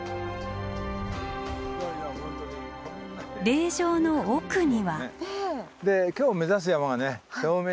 霊場の奥には。